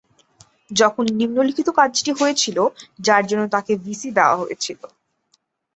যখন নিম্নলিখিত কাজটি হয়েছিল যার জন্য তাঁকে ভিসি দেওয়া হয়েছিল।